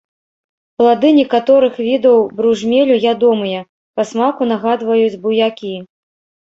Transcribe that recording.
Плады некаторых відаў бружмелю ядомыя, па смаку нагадваюць буякі.